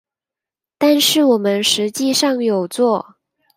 但是我們實際上有做